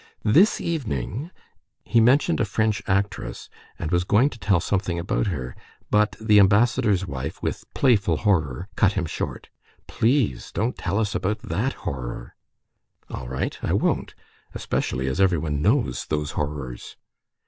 This evening...." He mentioned a French actress, and was going to tell something about her; but the ambassador's wife, with playful horror, cut him short. "Please don't tell us about that horror." "All right, I won't especially as everyone knows those horrors."